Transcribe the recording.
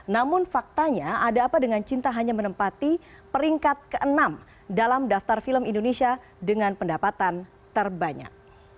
namun faktanya ada apa dengan cinta hanya menempati peringkat ke enam dalam daftar film indonesia dengan pendapatan terbanyak